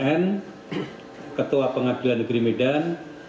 ini wakil ketua pengadilan negeri medan